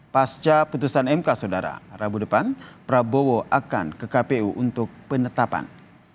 pasca putusan mk saudara rabu depan prabowo akan ke kpu untuk penetapan